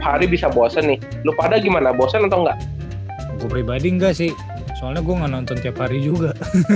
hari bisa bosen nih lu pada gimana bosen atau nggak pribadi nggak sih soalnya gue nonton tiap hari juga